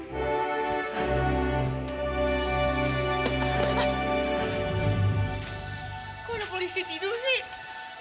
kok udah polisi tidur sih